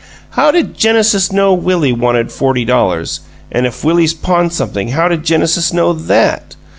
"How did Genesis know Willie wanted forty dollars, and if Willie's pawned something how did Genesis know THAT?